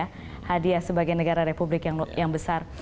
karena hadiah sebagai negara republik yang besar